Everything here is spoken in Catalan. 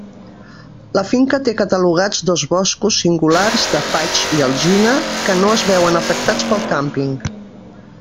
La finca té catalogats dos boscos singulars de faig i alzina que no es veuen afectats pel càmping.